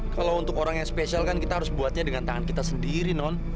kalau untuk orang yang spesial kan kita harus buatnya dengan tangan kita sendiri non